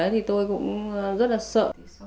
tôi cũng rất là sợ